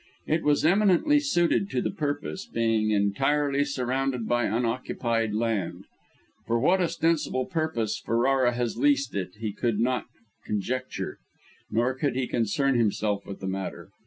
It was eminently suited to the purpose, being entirely surrounded by unoccupied land. For what ostensible purpose Ferrara has leased it, he could not conjecture, nor did he concern himself with the matter.